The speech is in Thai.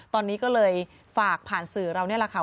ตอนนี้ก็เลยฝากผ่านสื่อเรานี่แหละค่ะ